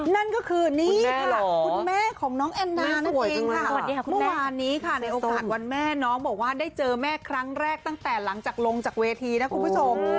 นั่นก็คือนี่ค่ะคุณแม่ของน้องแอนนานั่นเองค่ะสวัสดีค่ะเมื่อวานนี้ค่ะในโอกาสวันแม่น้องบอกว่าได้เจอแม่ครั้งแรกตั้งแต่หลังจากลงจากเวทีนะคุณผู้ชม